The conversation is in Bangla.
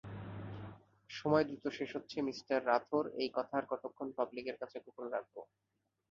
সময় দ্রুত শেষ হচ্ছে মিস্টার রাথোর এই কথা আর কতক্ষণ পাবলিকের কাছে গোপন রাখবো?